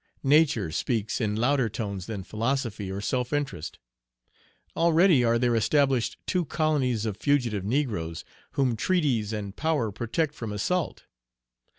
Nature speaks in louder tones than philosophy or self interest. Already are there established two colonies of fugitive negroes, whom treaties and power protect from assault.